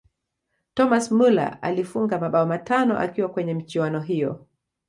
thomas muller alifunga mabao matano akiwa kwenye michuano hiyo